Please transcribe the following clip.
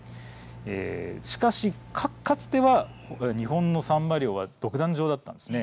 しかし、かつては日本のサンマ漁は独壇場だったんです。